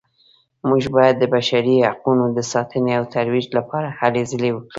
موږ باید د بشري حقونو د ساتنې او ترویج لپاره هلې ځلې وکړو